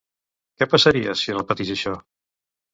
Què passaria si es repetís això?